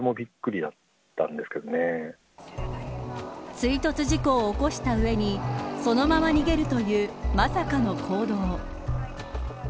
追突事故を起こした上にそのまま逃げるというまさかの行動。